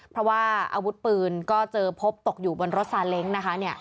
เพราะว่าอาวุธปืนก็เจอพบตกอยู่บนรถซาเล้งนะคะ